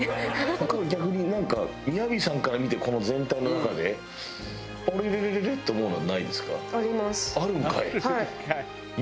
逆になんか雅さんから見てこの全体の中であれれれれれ？って思うのはないですか？